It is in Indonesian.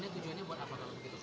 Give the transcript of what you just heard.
tujuannya buat apa